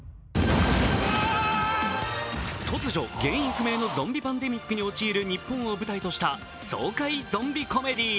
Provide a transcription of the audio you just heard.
突如、原因不明のゾンビパンデミックに陥る日本を舞台にした爽快ゾンビコメディー。